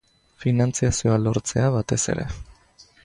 Finantzazioa lortzea, batez ere.